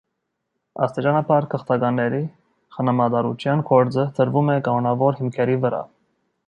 Աստիճանաբար գաղթականների խնամատարության գործը դրվում է կանոնավոր հիմքերի վրա։